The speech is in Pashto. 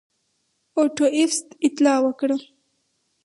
اوټو ایفز اطلاع ورکړه.